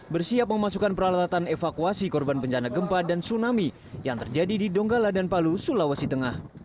bersiap memasukkan peralatan evakuasi korban bencana gempa dan tsunami yang terjadi di donggala dan palu sulawesi tengah